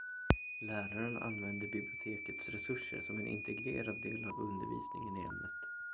Läraren använder bibliotekets resurser som en integrerad del av undervisningen i ämnet.